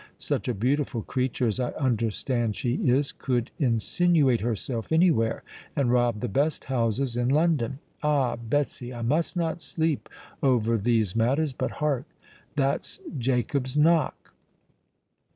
Such a beautiful creature as I understand she is, could insinuate herself anywhere, and rob the best houses in London. Ah! Betsy, I must not sleep over these matters. But, hark! That's Jacob's knock!"